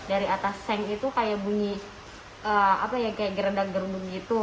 dari atas seng itu kayak bunyi apa ya kayak gerendang gerdung gitu